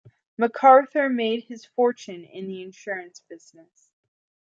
MacArthur made his fortune in the insurance business.